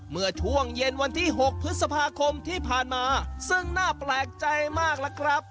เมื่อช่วงเย็นวันที่๖พฤษภาคมที่ผ่านมาซึ่งน่าแปลกใจมากล่ะครับ